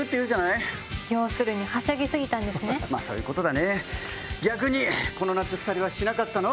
まぁそういうことだね。